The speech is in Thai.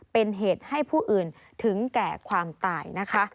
เป็นเหตุให้ผู้อื่นถึงแก่ความตายนะคะ